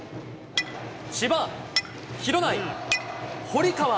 千葉、広内、堀川。